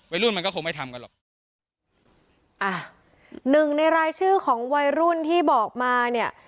มันก็คงไม่ทำกันหรอกอ่ะหนึ่งในรายชื่อของวัยรุ่นที่บอกมาเนี่ย